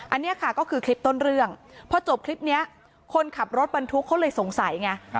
อันนี้ค่ะก็คือคลิปต้นเรื่องพอจบคลิปนี้คนขับรถบรรทุกเขาเลยสงสัยไง